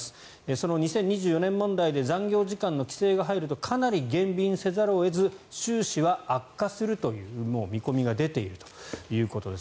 その２０２４年問題で残業時間の規制が入るとかなり減便せざるを得ず収支は悪化するという見込みが出ているということです。